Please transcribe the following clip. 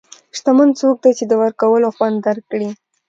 شتمن څوک دی چې د ورکولو خوند درک کړي.